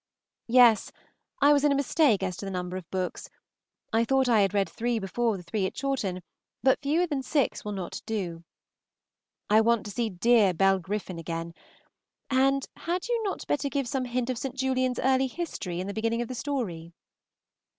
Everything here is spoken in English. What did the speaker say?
Yes, I was in a mistake as to the number of books. I thought I had read three before the three at Chawton, but fewer than six will not do. I want to see dear Bell Griffin again; and had you not better give some hint of St. Julian's early history in the beginning of the story?